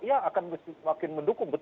ya akan semakin mendukung